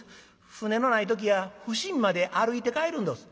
舟のない時は伏見まで歩いて帰るんどす」。